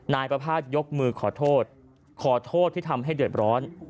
นายประภาษณยกมือขอโทษขอโทษที่ทำให้เดือดร้อน